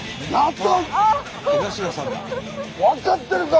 分かってるか？